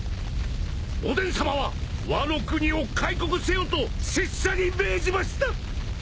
おでんさまは「ワノ国を開国せよ」と拙者に命じました！